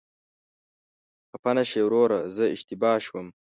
خفه نشې وروره، زه اشتباه شوم.